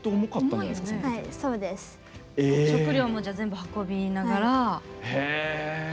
食料も運びながら。